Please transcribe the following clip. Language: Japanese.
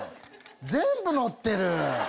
全部載ってる。